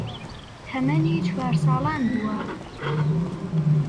تەمەنی چوار ساڵان بووە